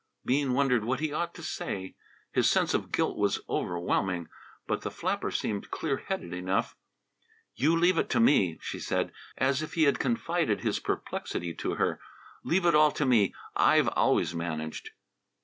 Bean wondered what he ought to say. His sense of guilt was overwhelming. But the flapper seemed clear headed enough. "You leave it to me," she said, as if he had confided his perplexity to her. "Leave it all to me. I've always managed."